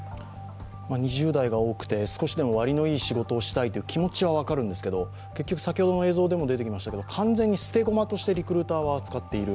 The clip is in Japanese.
２０代が多くて少しでも割のいい仕事がしたいという気持ちも分かるんですけど結局、先ほどの映像でも出てきましたけど、完全に捨て駒としてリクルーターは使用している。